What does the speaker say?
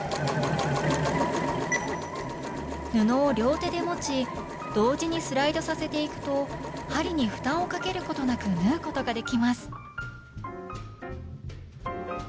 布を両手で持ち同時にスライドさせていくと針に負担をかけることなく縫うことができます